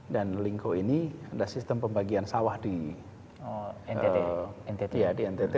dan lingko ini ada sistem pembagian sawah di ntt